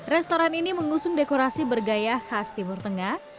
restoran ini mengusung dekorasi bergaya khas timur tengah